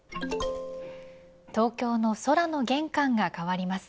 東京の空の玄関が変わります。